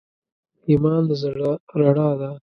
ایمان د زړه رڼا ده.